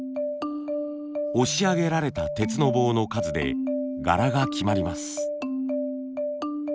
押し上げられた鉄の棒の数で柄が決まります。